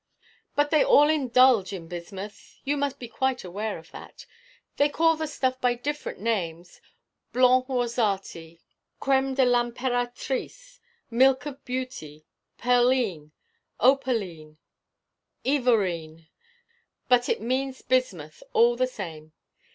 'But they all indulge in bismuth you must be quite aware of that. They call the stuff by different names Blanc Rosati, Crême de l'Imperatrice, Milk of Beauty, Perline, Opaline, Ivorine but it means bismuth all the same.